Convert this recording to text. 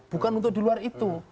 bukan untuk di luar itu